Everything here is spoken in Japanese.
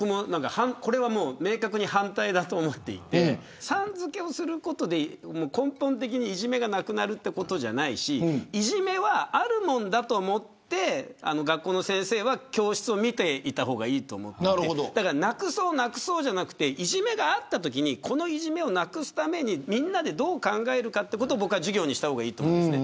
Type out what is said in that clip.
これは、明確に反対だと思っていてさん付けをすることで根本的にいじめがなくなるということじゃないしいじめは、あるもんだと思って学校の先生は教室を見ていた方がいいと思っていてだから、なくそうじゃなくていじめがあったときにこのいじめをなくすためにみんなで、どう考えるかを僕は授業にした方がいいと思う。